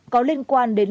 có liên quan đến